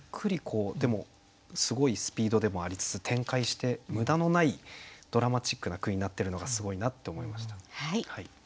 でもすごいスピードでもありつつ展開して無駄のないドラマチックな句になってるのがすごいなって思いました。